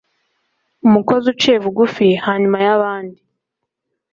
Umukozi uciye bugufi hanyuma y'abandi,